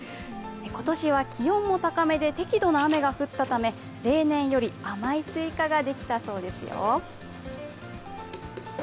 今年は気温も高めで適度な雨が降ったため例年より甘いスイカができたそうですよ。